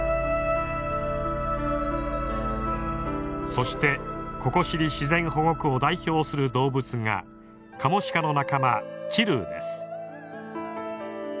そしてココシリ自然保護区を代表する動物がカモシカの仲間チルーです。